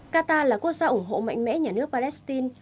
qatar là quốc gia ủng hộ mạnh mẽ nhà nước palestine